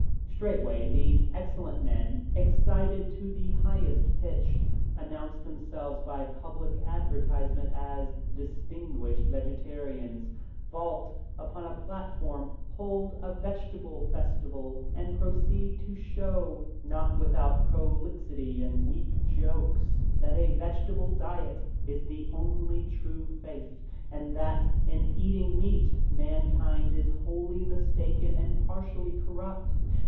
Straightway, these excellent men, excited to the highest pitch, announce them selves by public advertisement as " DISTIN GUISHED VEGETARIANS," vault upon a plat form, hold a vegetable festival, and proceed to show, not without prolixity and weak jokes, that a vegetable diet is the only true faith, and that, in eating meat, mankind is wholly mistaken and partially corrupt.